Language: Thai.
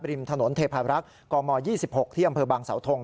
ริมถนนเทพฯกม๒๖ที่อำเภอบางเสาทง